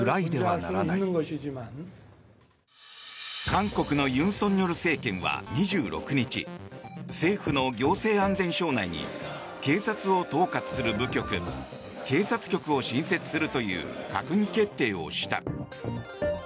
韓国の尹錫悦政権は２６日政府の行政安全省内に警察を統括する部局警察局を新設するという閣議決定をした。